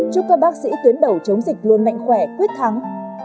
chúc các bác sĩ tuyến đầu chống dịch luôn mạnh khỏe quyết thắng